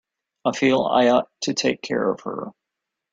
I feel I ought to take care of her.